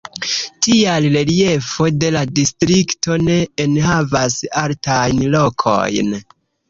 Tial reliefo de la distrikto ne enhavas altajn lokojn.